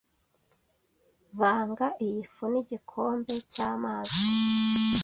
Vanga iyi fu nigikombe cyamazi.